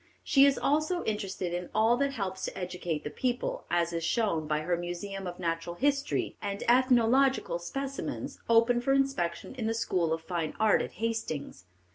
She is also interested in all that helps to educate the people, as is shown by her Museum of Natural History and Ethnological Specimens, open for inspection in the School of Fine Art at Hastings.